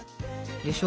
でしょ？